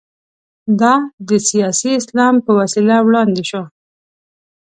دا د سیاسي اسلام په وسیله وړاندې شو.